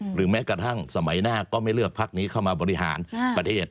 หรือแม้กระทั่งสมัยหน้าก็ไม่เลือกพักนี้เข้ามาบริหารประเทศ